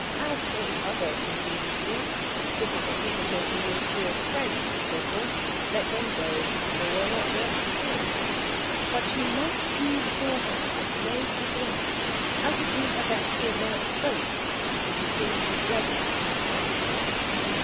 As for the other contingencies difficulties of making all clear to friends, and so forth let them go; they were not worth a thought. But she must be beforehand, and know how to act, how to do her best to avert both, if the thing she dreaded came to pass....